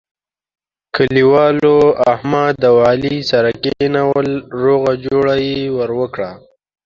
کلیوالو احمد او علي سره کېنول روغه جوړه یې ور وکړه.